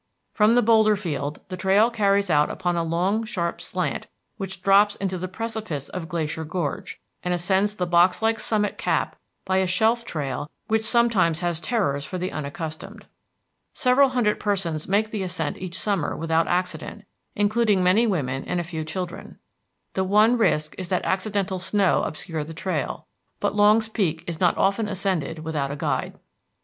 From the boulder field the trail carries out upon a long sharp slant which drops into the precipice of Glacier Gorge, and ascends the box like summit cap by a shelf trail which sometimes has terrors for the unaccustomed. Several hundred persons make the ascent each summer without accident, including many women and a few children. The one risk is that accidental snow obscure the trail; but Longs Peak is not often ascended without a guide.